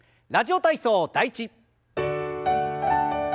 「ラジオ体操第１」。